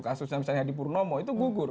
kasusnya misalnya hadi purnomo itu gugur